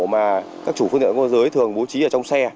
mà các chủ phương tiện cơ giới thường bố trí ở trong xe